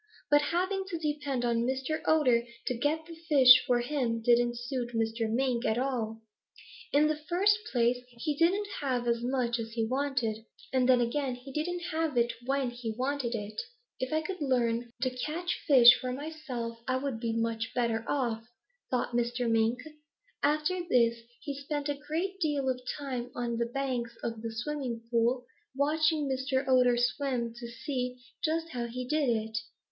"But having to depend on Mr. Otter to get the fish for him didn't suit Mr. Mink at all. In the first place, he didn't have as much as he wanted. And then again he didn't have it when he wanted it. 'If I could learn to catch fish for myself, I would be much better off,' thought Mr. Mink. After this he spent a great deal of time on the banks of the Smiling Pool watching Mr. Otter swim to see just how he did it.